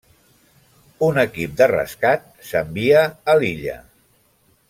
Un equip de rescat s'envia a l'illa.